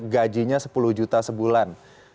gajinya sepuluh juta sebulan